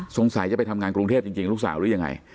จะไปทำงานกรุงเทพจริงลูกสาวหรือยังไง